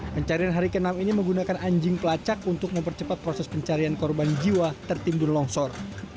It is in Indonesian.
pencarian hari ke enam ini menggunakan anjing pelacak untuk mempercepat proses pencarian korban jiwa tertimbun longsor